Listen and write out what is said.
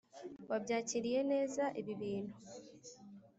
wabyakiriye neza ibibintu